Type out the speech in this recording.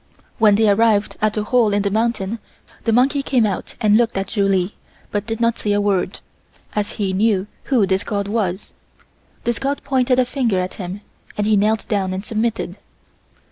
When they arrived at the hole in the mountain the monkey came out and looked at Ju Li, but did not say a word, as he knew who this god was. This god pointed a finger at him and he knelt down and submitted.